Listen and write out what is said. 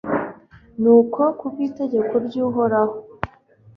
nuko ku bw'itegeko ry'uhoraho